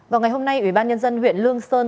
vào ngày hôm nay ủy ban nhân dân huyện lương sơn